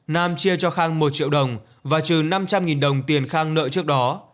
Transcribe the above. nam chia cho khang một triệu đồng và trừ năm trăm linh đồng tiền khang nợ trước đó